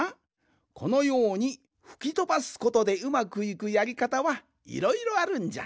このようにふきとばすことでうまくいくやりかたはいろいろあるんじゃ。